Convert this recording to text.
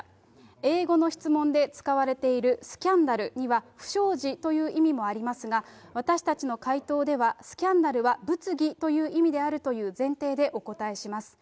英語の質問で使われているスキャンダルには、不祥事という意味もありますが、私たちの回答では、スキャンダルは物議という意味であるという前提でお答えします。